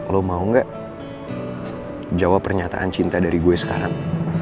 lo mau nggak jawab pernyataan cinta dari gue sekarang